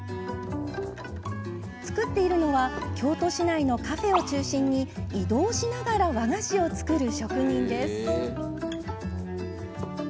作っているのは京都市内のカフェを中心に移動しながら和菓子を作る職人です。